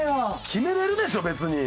決めれるでしょ別に。